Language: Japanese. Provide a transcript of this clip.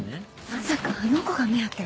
まさかあの子が目当て？